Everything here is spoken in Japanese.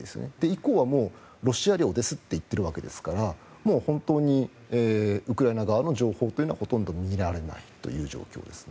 以降はもう、ロシア領ですと言っているわけですから本当にウクライナ側の情報というのはほとんど見られないという状況です。